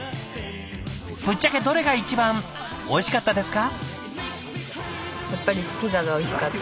ぶっちゃけどれが一番おいしかったですか？